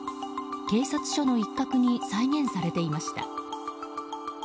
警察署の一角に再現されていました。